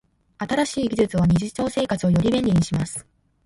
新しい技術は日常生活をより便利にします。